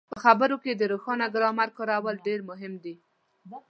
په خبرو کې د روښانه ګرامر کارول ډېر مهم دي.